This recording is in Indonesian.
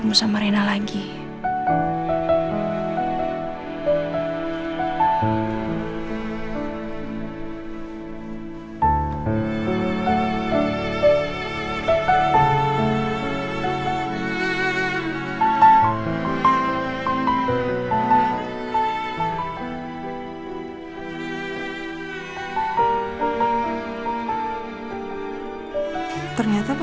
pokoknya ke challenger lainnya pun nggak sangat